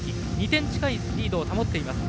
２点近いリードを保っています。